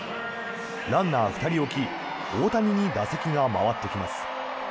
ランナー２人置き大谷に打席が回ってきます。